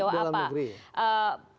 produk dalam negeri